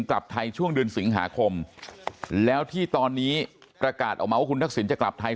กลับไทยช่วงเดือนสิงหาคมแล้วที่ตอนนี้ประกาศออกมาว่าคุณทักษิณจะกลับไทย